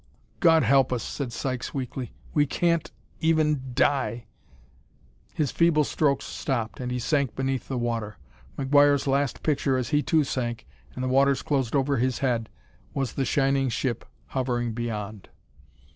"God help us!" said Sykes weakly. "We can't even die " His feeble strokes stopped, and he sank beneath the water. McGuire's last picture as he too sank and the waters closed over his head, was the shining ship hovering beyond.